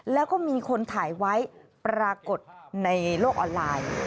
แล้วก็มีคนถ่ายไว้ปรากฏในโลกออนไลน์